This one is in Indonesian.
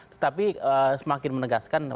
tetapi semakin menegaskan